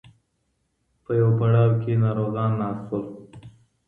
په یوه پړاو کې ناروغان ناست وو.